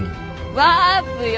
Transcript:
ワープよ。